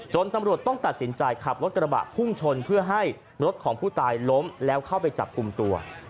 ตำรวจต้องตัดสินใจขับรถกระบะพุ่งชนเพื่อให้รถของผู้ตายล้มแล้วเข้าไปจับกลุ่มตัว